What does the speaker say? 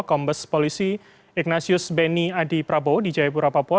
kombes polisi ignasius beni adi prabowo di jayapura papua